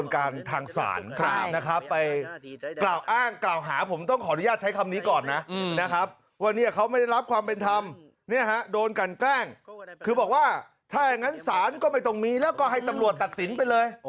การทางศาลครับนะครับไปกล่าวอ้างกล่าวหาผมต้องขออนุญาตใช้คำนี้ก่อนนะนะครับว่าเนี่ยเขาไม่ได้รับความเป็นธรรมเนี่ยฮะโดนกันแกล้งคือบอกว่าถ้าอย่างงั้นศาลก็ไม่ต้องมีแล้วก็ให้ตำรวจตัดสินไปเลย